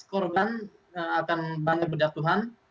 korban akan banyak berdatuhan